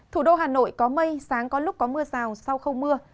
thủ đô hà nội có mây sáng có lúc có mưa rào sau không mưa